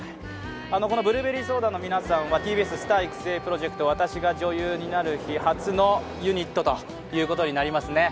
このブルーベリーソーダの皆さんはＴＢＳスター育成プロジェクト「『私が女優になる日＿』」初のユニットということになりますね。